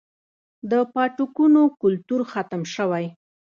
د پاټکونو کلتور ختم شوی